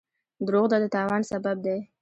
دروغ د تاوان سبب دی.